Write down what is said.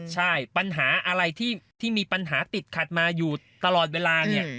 ใช่ปัญหาอะไรที่มีปัญหาติดขัดมาอยู่ตลอดเวลาเนี่ย